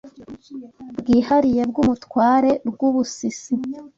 bwihariye bw’umutware Rwubusisi